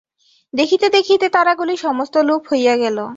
দেখিতে দেখিতে তারাগুলি সমস্ত লুপ্ত হইয়া গেল।